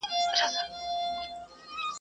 o بخت و شنې.